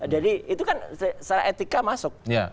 jadi itu kan secara etika masuk